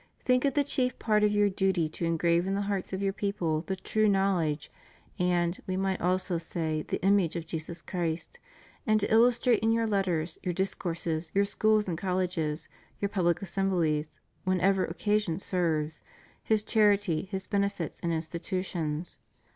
Think it the chief part of your duty to engrave in the hearts of your people the true knowledge, and. We might almost say the image, of Jesus Christ, and to illustrate in your letters, your dis courses, your schools and colleges, your public assembhes, whenever occasion serves, His charity. His benefits and institutions.